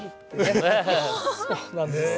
そうなんです。